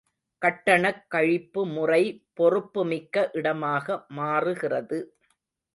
கட்டணக் கழிப்பு முறை பொறுப்பு மிக்க இடமாக மாறுகிறது.